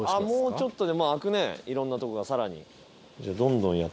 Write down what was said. もうちょっとで開くねいろんなとこがさらに。